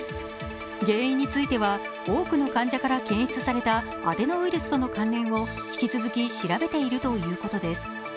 原因については多くの患者から検出されたアデノウイルスとの関連を引き続き調べているとのことです。